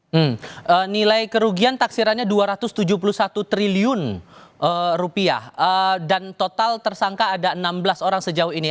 hmm nilai kerugian taksirannya dua ratus tujuh puluh satu triliun rupiah dan total tersangka ada enam belas orang sejauh ini